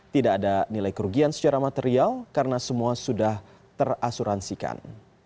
tidak ada nilai kerugian secara material karena semua sudah terasuransikan